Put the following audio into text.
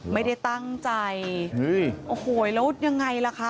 ไม่ได้ตั้งใจโอ้โหแล้วยังไงล่ะคะ